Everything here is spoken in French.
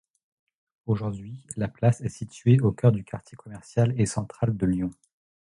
Aujourd'hui, la place est située au cœur du quartier commercial et central de Lyon.